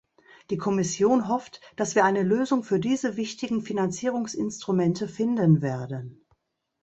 Die Kommission hofft, dass wir eine Lösung für diese wichtigen Finanzierungsinstrumente finden werden.